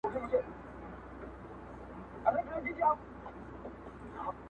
د پاچا يې د جامو كړل صفتونه!!